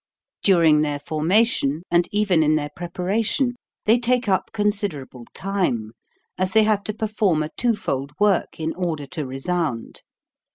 During their formation and even in their preparation they take up considerable time, as they have to perform a twofold work in order to resound.